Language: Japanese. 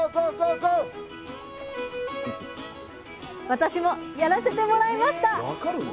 私もやらせてもらいました分かるの？